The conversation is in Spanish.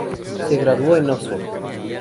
Se graduó en Oxford.